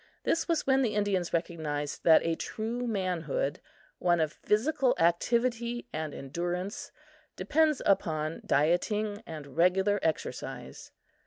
This was when the Indians recognized that a true manhood, one of physical activity and endurance, depends upon dieting and regular exercise.